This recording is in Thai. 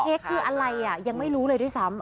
เค้กคืออะไรอ่ะยังไม่รู้เลยด้วยซ้ำ